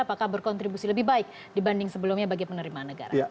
apakah berkontribusi lebih baik dibanding sebelumnya bagi penerimaan negara